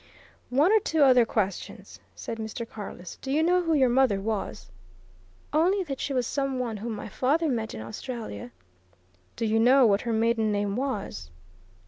"One or two other questions," said Mr. Carless. "Do you know who your mother was?" "Only that she was some one whom my father met in Australia." "Do you know what her maiden name was?"